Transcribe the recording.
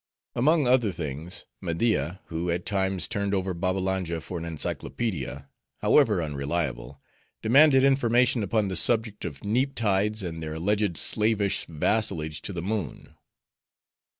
Among other things, Media, who at times turned over Babbalanja for an encyclopaedia, however unreliable, demanded information upon the subject of neap tides and their alleged slavish vassalage to the moon.